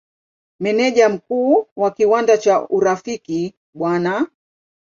Meneja Mkuu wa kiwanda cha Urafiki Bw.